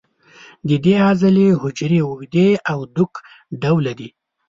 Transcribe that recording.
د دې عضلې حجرې اوږدې او دوک ډوله دي.